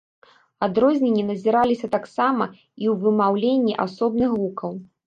Адрозненні назіраліся таксама і ў вымаўленні асобных гукаў.